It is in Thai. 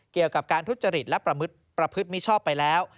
เกี่ยวกับการทุจริตและประพฤติมิชชอบไปแล้ว